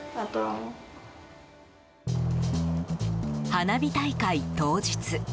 花火大会当日。